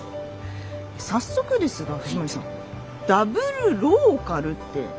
早速ですが藤森さんダブルローカルって何ですか？